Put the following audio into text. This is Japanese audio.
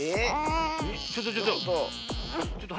ちょっとちょっと。